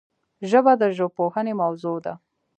ژبه د ژبپوهنې موضوع ده